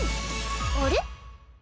あれ？